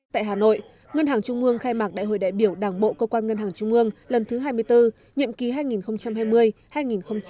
tại hà nội ngân hàng trung mương khai mạc đại hội đại biểu đảng bộ cơ quan ngân hàng trung ương lần thứ hai mươi bốn nhiệm kỳ hai nghìn hai mươi hai nghìn hai mươi năm